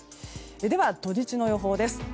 では、土日の予報です。